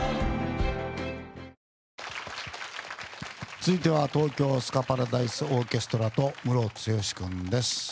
続いては、東京スカパラダイスオーケストラとムロツヨシ君です。